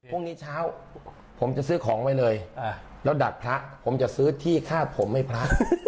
พรุ่งนี้เช้าผมจะซื้อของไว้เลยแล้วดักพระผมจะซื้อที่ฆ่าผมให้พระ